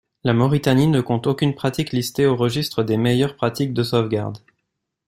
La Mauritanie ne compte aucune pratique listée au registre des meilleures pratiques de sauvegarde.